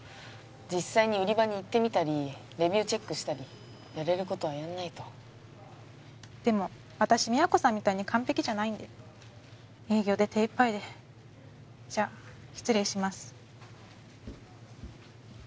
実際に売り場に行ってみたりレビューチェックしたりやれることはやんないとでも私都さんみたいに完璧じゃないんで営業で手いっぱいでじゃっ失礼します